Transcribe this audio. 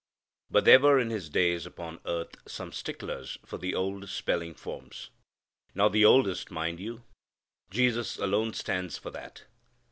But there were in His days upon earth some sticklers for the old spelling forms. Not the oldest, mind you. Jesus alone stands for that.